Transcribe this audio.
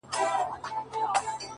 • د پیربابا پر قبر ,